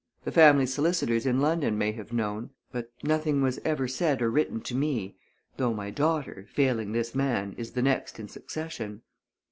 The family solicitors in London may have known. But nothing was ever said or written to me, though my daughter, failing this man, is the next in succession."